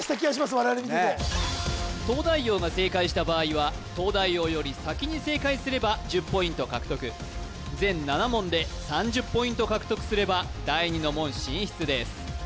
我々見てて東大王が正解した場合は東大王より先に正解すれば１０ポイント獲得全７問で３０ポイント獲得すれば第二の門進出です